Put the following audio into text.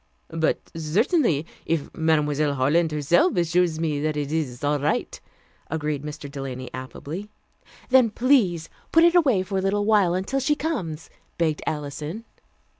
"But certainly, if Mademoiselle Harland herself assures me that it is all right," agreed Mr. Delany affably. "Then please put it away for a little while until she comes," begged Alison.